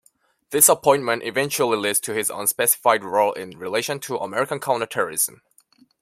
This appointment eventually leads to his unspecified role in relation to American counter-terrorism.